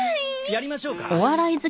やりましょうか？